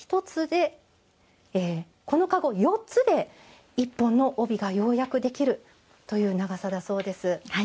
この籠４つで、１本の帯がようやくできるという長さだそうです。